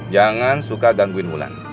jangan suka gangguin ulan